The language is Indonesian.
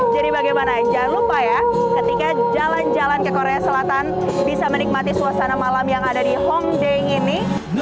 jadi bagaimana jangan lupa ya ketika jalan jalan ke korea selatan bisa menikmati suasana malam yang ada di hongdae ini